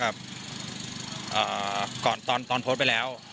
ก่อนตอนโพสต์ไปแล้ว